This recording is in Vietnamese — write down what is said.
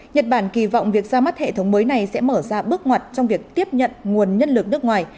nhật bản kỳ vọng việc ra mắt hệ thống mới này sẽ mở ra bước ngoặt trong việc tiếp nhận nguồn nhân lực nước ngoài